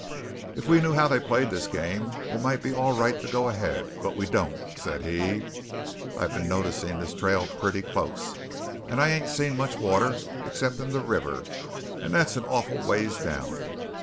"If we knew how they played this game, it might be all right to go ahead. But we don't," said he. "I've been noticing this trail pretty close; and I ain't seen much water except in the river; and that's an awful ways down.